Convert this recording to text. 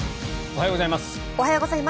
おはようございます。